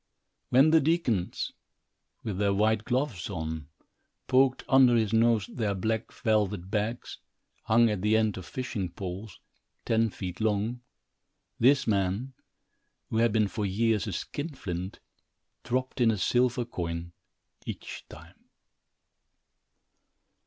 When the deacons, with their white gloves on, poked under his nose their black velvet bags, hung at the end of fishing poles, ten feet long, this man, who had been for years a skinflint, dropped in a silver coin each time.